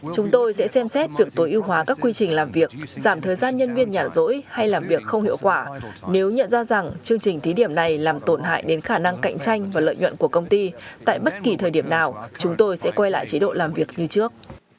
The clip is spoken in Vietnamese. chúng tôi sẽ xem xét việc tối ưu hóa các quy trình làm việc giảm thời gian nhân viên nhả rỗi hay làm việc không hiệu quả nếu nhận ra rằng chương trình thí điểm này làm tổn hại đến khả năng cạnh tranh và lợi nhuận của công ty tại bất kỳ thời điểm nào chúng tôi sẽ quay lại chế độ làm việc như trước